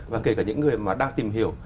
và kể cả những người mà đang tìm hiểu